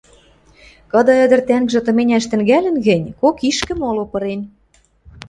Кыды ӹдӹр тӓнгжӹ тыменяш тӹнгӓлӹн гӹнь, кок ишкӹ моло пырен.